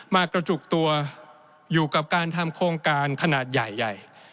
มากระจุกตัวอยู่กับการทำโครงการขนาดใหญ่ใหญ่